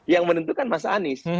yang menentukan mas anies